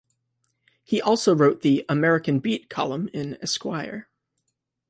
He also wrote the "American Beat" column in "Esquire".